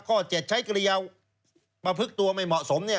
ข้อ๗ใช้เกรียวมาพึกตัวไม่เหมาะสมเนี่ย